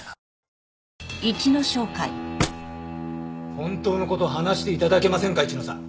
本当の事を話して頂けませんか市野さん。